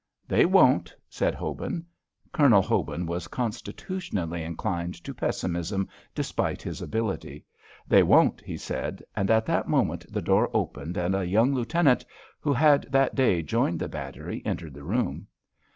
"They won't," said Hobin. Colonel Hobin was constitutionally inclined to pessimism, despite his ability. "They won't," he said. And at that moment the door opened, and a young lieutenant, who had that day joined the battery, entered the room.